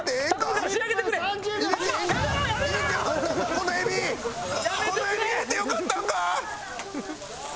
このエビこのエビ入れてよかったんか！？